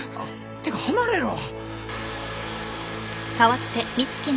てか離れろ。